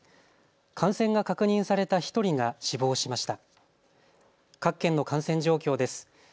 感染が確認された１人が死亡しました。